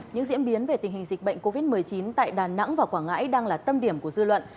những diễn biến về tình hình dịch bệnh covid một mươi chín tại đà nẵng và quảng ngãi đang là tâm điểm của dư luận